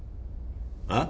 あっ？